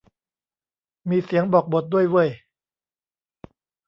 มีเสียงบอกบทด้วยเว่ย